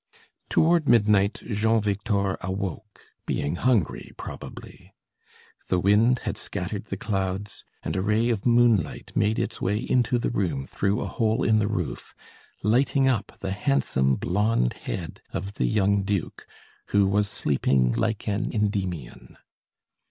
Toward midnight Jean Victor awoke, being hungry probably. The wind had scattered the clouds, and a ray of moonlight made its way into the room through a hole in the roof, lighting up the handsome blonde head of the young duke, who was sleeping like an Endymion.